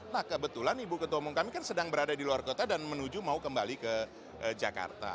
nah kebetulan ibu ketua umum kami kan sedang berada di luar kota dan menuju mau kembali ke jakarta